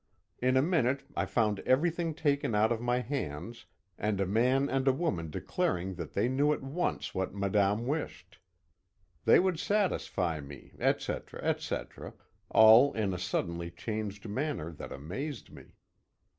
In a minute I found everything taken out of my hands, and a man and a woman declaring that they knew at once what madame wished; they would satisfy me, etc., etc., all in a suddenly changed manner that amazed me.